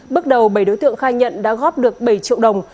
bước đầu bảy đối tượng khai nhận đã góp được bảy triệu đồng